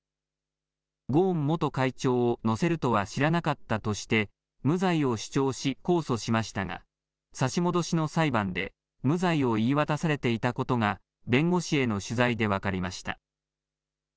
ゴーン元会長を乗せるとは知らなかったとして無罪を主張し控訴しましたが差し戻しの裁判で無罪を言い渡されていたことが弁護士への取材で分かりました。